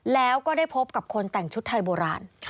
แล้วก็ได้พบกับคนแต่งชุดไทยโบราณ